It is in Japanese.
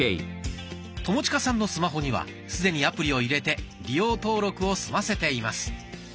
友近さんのスマホには既にアプリを入れて利用登録を済ませています。